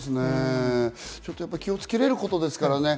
ちょっと気をつけられることですからね。